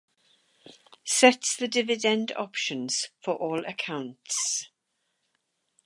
Sets the dividend options for all accounts